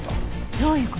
どういう事？